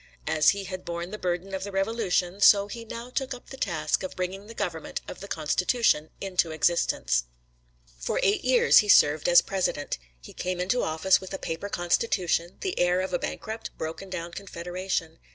As he had borne the burden of the Revolution, so he now took up the task of bringing the government of the Constitution into existence. For eight years he served as president. He came into office with a paper constitution, the heir of a bankrupt, broken down confederation.